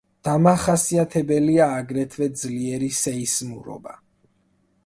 დამახასიათებელია აგრეთვე ძლიერი სეისმურობა.